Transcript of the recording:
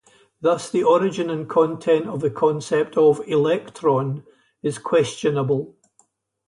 Thus, the origin and content of the concept of "electron" is questionable.